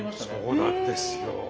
そうなんですよ。